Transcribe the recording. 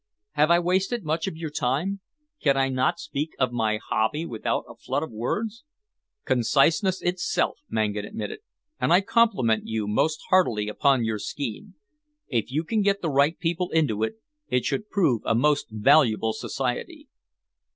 Have I wasted much of your time? Can I not speak of my hobby without a flood of words?" "Conciseness itself," Mangan admitted, "and I compliment you most heartily upon your scheme. If you can get the right people into it, it should prove a most valuable society."